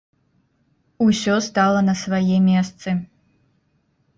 Усё стала на свае месцы.